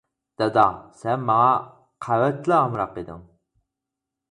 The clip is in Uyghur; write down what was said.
دادا، سەن ماڭا قەۋەتلا ئامراق ئىدىڭ.